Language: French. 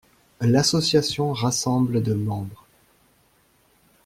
L'association rassemble de membres.